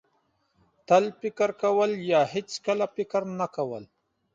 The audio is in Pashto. تل فکر کول یا هېڅکله فکر نه کول.